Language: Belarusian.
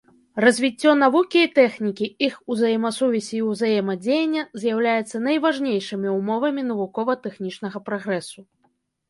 Развіццё навукі і тэхнікі, іх узаемасувязь і ўзаемадзеянне з'яўляюцца найважнейшымі ўмовамі навукова-тэхнічнага прагрэсу.